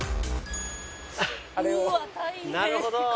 なるほど。